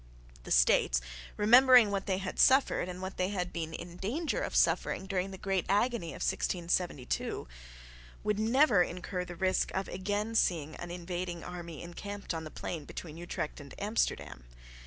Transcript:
The States, remembering what they had suffered and what they had been in danger of suffering during the great agony of 1672, would never incur the risk of again seeing an invading army encamped on the plain between Utrecht and Amsterdam.